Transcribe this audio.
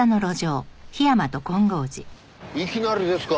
いきなりですか？